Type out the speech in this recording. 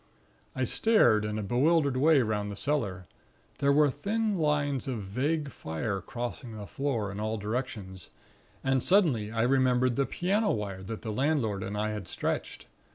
"I stared in a bewildered way 'round the cellar; there were thin lines of vague fire crossing the floor in all directions; and suddenly I remembered the piano wire that the landlord and I had stretched.